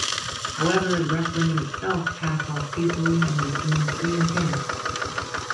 However, the referendum itself passed off peacefully and was deemed free and fair.